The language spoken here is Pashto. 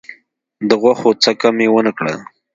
د غوښو څکه مي ونه کړه .